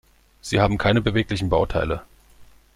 Sie haben keine beweglichen Bauteile.